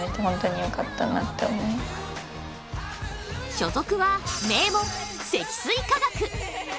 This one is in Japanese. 所属は、名門・積水化学。